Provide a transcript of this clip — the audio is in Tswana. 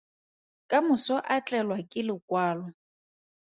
Ka moso a tlelwa ke lokwalo.